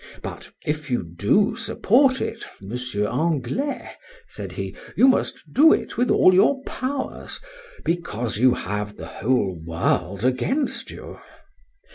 —But, if you do support it, Monsieur Anglois, said he, you must do it with all your powers, because you have the whole world against you.